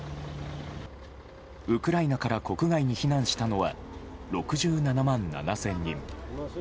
ウクライナから国外に避難したのは６７万７０００人。